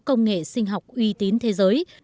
công nghệ sinh học uy tín thế giới